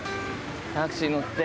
タクシー乗って。